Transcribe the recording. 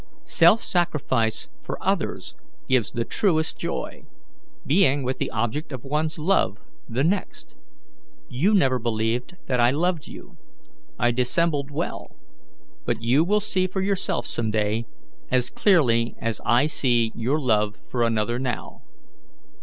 "Self sacrifice for others gives the truest joy; being with the object of one's love, the next. You never believed that I loved you. I dissembled well; but you will see for yourself some day, as clearly as I see your love for another now."